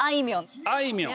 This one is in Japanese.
あいみょん。